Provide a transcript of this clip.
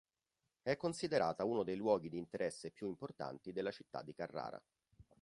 È considerata uno dei luoghi di interesse più importanti della città di Carrara.